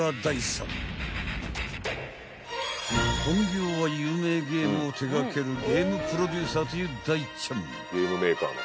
［本業は有名ゲームを手掛けるゲームプロデューサーというダイちゃん］